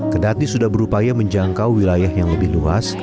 kedati sudah berupaya menjangkau wilayah yang lebih luas